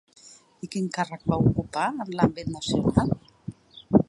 I quin càrrec va ocupar en l'àmbit nacional?